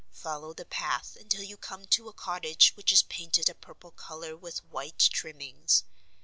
Follow the path until you come to a cottage which is painted a purple color with white trimmings.